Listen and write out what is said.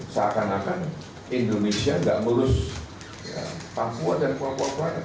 seakan akan indonesia gak melus papua dan papua barat